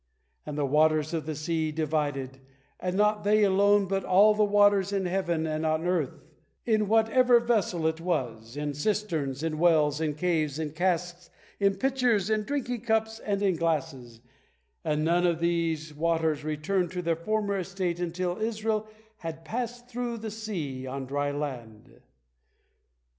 And the waters of the Red Sea divided, and not they alone, but all the waters in heaven and on earth, in whatever vessel it was, in cisterns, in wells, in caves, in casks, in pitchers, in drinking cups, and in glasses, and none of these waters returned to their former estate until Israel has passed through the sea on dry land.